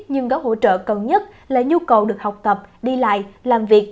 nhưng gói hỗ trợ cần nhất là nhu cầu được học tập đi lại làm việc